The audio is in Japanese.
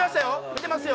見てますよ